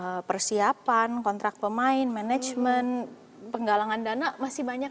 untuk persiapan kontrak pemain manajemen penggalangan dana masih banyak